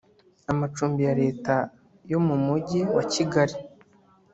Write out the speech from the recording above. Amacumbi ya Leta yo mu Mujyi wa Kigali